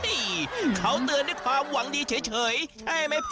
เฮ้ยเค้าเตือนได้ความหวังดีเฉยใช่ไหมพ่อ